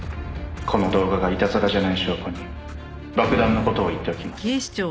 「この動画がいたずらじゃない証拠に爆弾の事を言っておきます」